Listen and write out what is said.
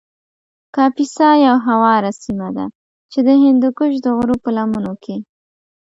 کاپیسا یو هواره سیمه ده چې د هندوکش د غرو په لمنو کې